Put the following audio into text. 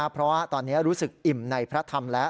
เพราะว่าตอนนี้รู้สึกอิ่มในพระธรรมแล้ว